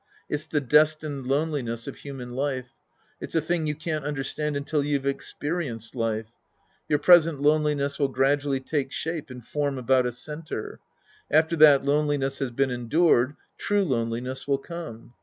It's the destined loneli ness of human life. It's a thing you can't understand until you've experienced life. Your present loneliness ^vill gradually take shape and form about a center. After that loneliness has been endured, true loneliness will come.